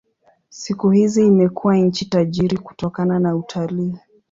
Siku hizi imekuwa nchi tajiri kutokana na utalii.